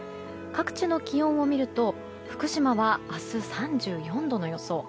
各地の気温を見ると福島は明日、３４度の予想。